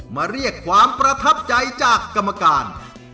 เรียกความประทับใจจากกรรมการ